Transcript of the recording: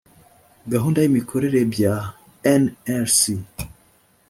gahunda y’ imikorere bya nlc.